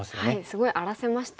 すごい荒らせましたしね。